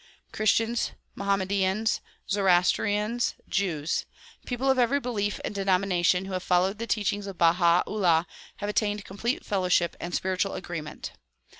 Christians, Mohammedans, Zoroastrians, Jews, — people of every belief and denomination who have followed the teachings of Baha 'Ullah have attained complete fellowship and spiritual agreement.